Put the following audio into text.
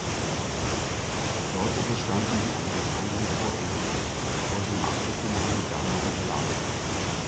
Dort überstanden die Amerikaner die Vorrunde, bevor sie im Achtelfinale Ghana unterlagen.